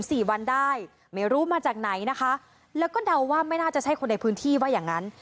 สี่วันได้ไม่รู้มาจากไหนนะคะแล้วก็เดาว่าไม่น่าจะใช่คนในพื้นที่ว่าอย่างงั้น